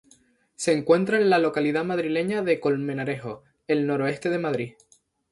Se encuentra en la localidad madrileña de Colmenarejo, en el noroeste de Madrid.